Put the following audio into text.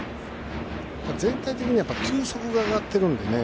全体的に球速が上がっているんでね。